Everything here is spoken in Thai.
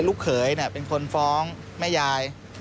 ลูกเขยเป็นคนฟ้องแม่ยาย